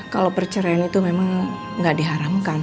kalau perceraian itu memang tidak diharamkan